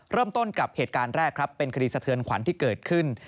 เริ่มต้นกับเหตุการณ์แรกครับเป็นคดีสะเทือนขวัญที่เกิดขึ้น